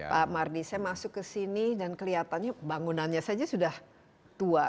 pak mardi saya masuk ke sini dan kelihatannya bangunannya saja sudah tua